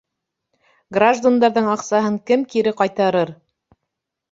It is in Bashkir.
Граждандарҙың аҡсаһын кем кире ҡайтарыр?